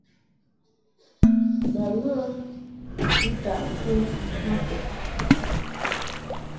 Ba ghə ntaʼ ŋkwin ma kɔb.